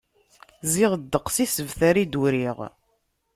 Ziɣ ddeqs n yisebtar i d-uriɣ.